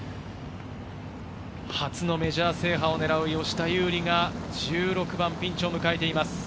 初のメジャー制覇を狙う吉田優利が１６番、ピンチを迎えています。